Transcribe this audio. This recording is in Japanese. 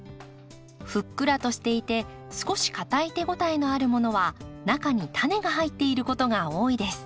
ふっくらとしていて少し硬い手応えのあるものは中にタネが入っていることが多いです。